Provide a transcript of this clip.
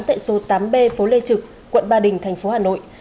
tại số tám b phố lê trực quận ba đình thành phố hà nội